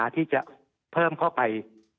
ที่จะเพิ่มเข้าไป